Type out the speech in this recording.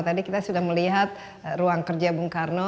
tadi kita sudah melihat ruang kerja bung karno